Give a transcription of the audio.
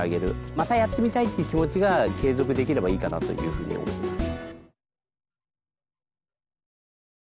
またやってみたいっていう気持ちが継続できればいいかなというふうに思ってます。